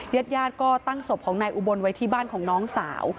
ญาติญาติก็ตั้งศพของนายอุบลไว้ที่บ้านของน้องสาว